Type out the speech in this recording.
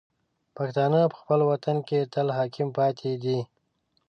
پښتانه په خپل وطن کې تل حاکم پاتې دي.